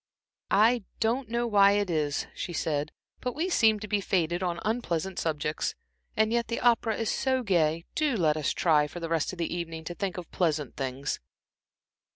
"I don't know why it is," she said, "but we seem to be fated on unpleasant subjects. And yet the opera is so gay. Do let us try, for the rest of the evening, to think of pleasant things."